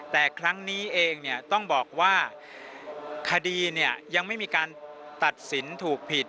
แต่ครั้งนี้เองต้องบอกว่าคดียังไม่มีการตัดสินถูกผิด